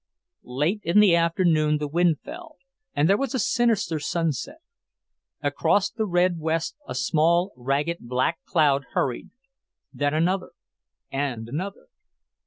Late in the afternoon the wind fell, and there was a sinister sunset. Across the red west a small, ragged black cloud hurried, then another, and another.